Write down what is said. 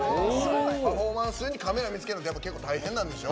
パフォーマンス中にカメラ見つけるのって結構、大変なんでしょ。